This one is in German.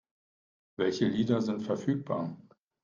Welche Lieder sind verfügbar?